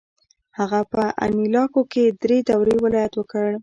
هغه په انیلاکو کې درې دورې ولایت وکړ.